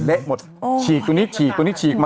เละหมดฉีกตัวนี้ตัวนี้ฉีกตัวนี้ฉีกมา